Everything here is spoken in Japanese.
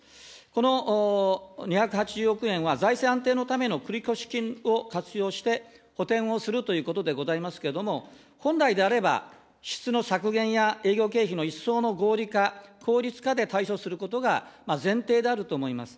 この２８０億円は、財政安定のための繰越金を活用して、補填をするということでございますけれども、本来であれば、支出の削減や営業経費の一層の合理化、効率化で対処することが前提であると思います。